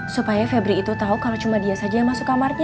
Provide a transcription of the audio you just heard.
supaya febri itu tahu kalau cuma dia saja yang masuk kamarnya